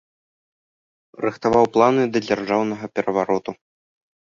Рыхтаваў планы да дзяржаўнага перавароту.